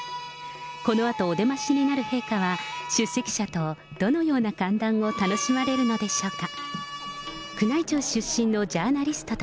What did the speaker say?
このあとお出ましになる陛下は、出席者とどのような歓談を楽しまれるのでしょうか。